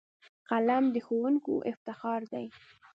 قلم د ښوونکیو افتخار دی